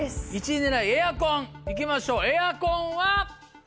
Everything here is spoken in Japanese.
１位狙いエアコン行きましょうエアコンは？